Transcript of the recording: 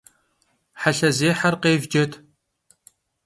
Helhe zêher khêvcet!